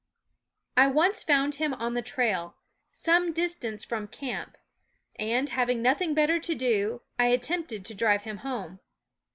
1/nkWunk Once I found him on the trail, some dis tance from camp, and, having nothing better to do, I attempted to drive him home.